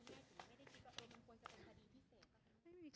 ตอนนั้นคุณแม่ถึงไม่ได้คิดว่าเอ็นมันควรจะเป็นคดีที่เสร็จ